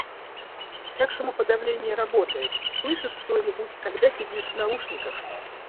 Как шумоподавление работает? Слышишь что-нибудь, когда сидишь в наушниках?